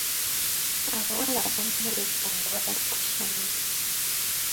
Abawala abamu betta nga bali ku ssomero.